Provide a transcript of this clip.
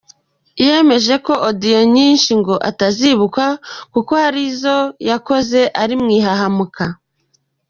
Yemeje ko Audio nyinshi ngo atazibuka kuko ngo hari izoyakoze ari mu ihahamuka.